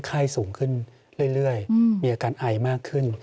ไข้สูงขึ้นเรื่อยมีอาการไอมากขึ้น